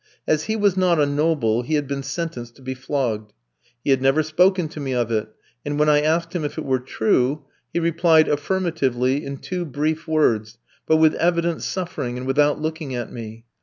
As he was not a noble, he had been sentenced to be flogged. He had never spoken to me of it, and when I asked him if it were true, he replied affirmatively in two brief words, but with evident suffering, and without looking at me.